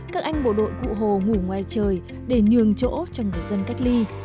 các anh bộ đội cụ hồ ngủ ngoài trời để nhường chỗ cho người dân cách ly